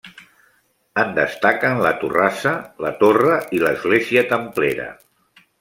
En destaquen la torrassa, la torre i l'església templera.